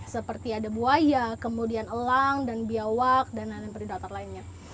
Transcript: seperti ada buaya kemudian elang dan biawak dan lain lain predator lainnya